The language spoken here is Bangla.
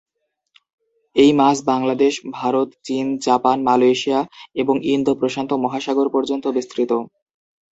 এই মাছ বাংলাদেশ, ভারত, চীন, জাপান, মালয়েশিয়া এবং ইন্দো-প্রশান্ত মহাসাগর পর্যন্ত বিস্তৃত।